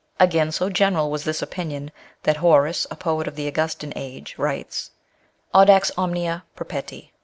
Again, so general was this opinion, that Horace, a poet of the Augustan age, writes : â Audax omnia perpeti.